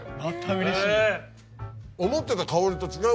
うれしい！